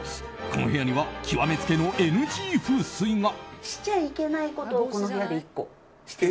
この部屋には極めつけのＮＧ風水が。